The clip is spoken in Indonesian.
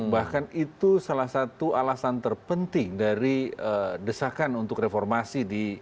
bahkan itu salah satu alasan terpenting dari desakan untuk reformasi di sembilan puluh tujuh sembilan puluh delapan